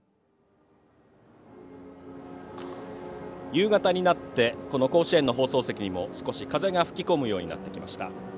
夕方になってこの甲子園の放送席にも少し風が吹きこむようになってきました。